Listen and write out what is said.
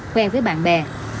khoe với bạn bè